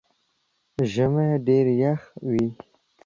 ژمئ ډېر يخ وي